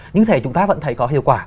như thế chúng ta vẫn thấy có hiệu quả